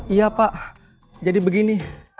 iya pak jadi begini